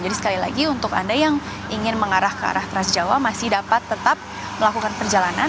jadi sekali lagi untuk anda yang ingin mengarah ke arah transjawa masih dapat tetap melakukan perjalanan